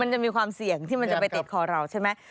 จะมีความเสี่ยงที่มันจะไปติดคอเราใช่ไหม